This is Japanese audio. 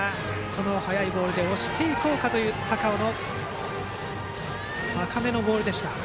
初球から速いボールで押していこうという高尾の高めのボールでした。